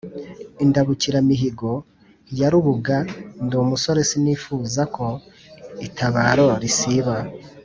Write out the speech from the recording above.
indabukiramihigo ya rubuga ndi umusore sinifuza ko itabaro risiba;